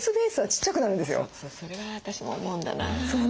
それは私も思うんだな。